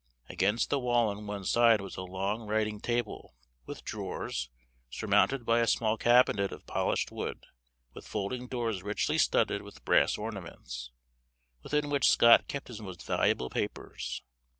Against the wall on one side was a long writing table, with drawers; surmounted by a small cabinet of polished wood, with folding doors richly studded with brass ornaments, within which Scott kept his most valuable papers.